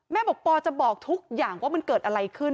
บอกปอจะบอกทุกอย่างว่ามันเกิดอะไรขึ้น